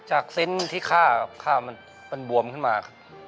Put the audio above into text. จากเส้นที่ข้ามันบวมขึ้นมา